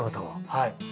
はい。